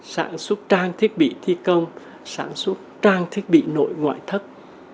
sản xuất trang thiết bị thi công sản xuất trang thiết bị nội ngoại thất